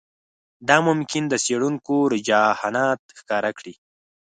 دا ممکن د څېړونکو رجحانات ښکاره کړي